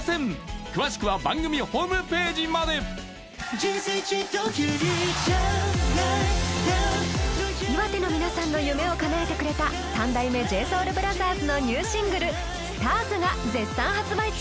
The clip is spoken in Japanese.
人生一度きりじゃない岩手の皆さんの夢を叶えてくれた三代目ＪＳＯＵＬＢＲＯＴＨＥＲＳのニューシングル「ＳＴＡＲＳ」が絶賛発売中！